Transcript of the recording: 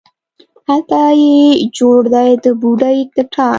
هلته چې جوړ دی د بوډۍ د ټال،